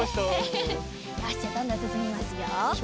よしじゃあどんどんすすみますよ。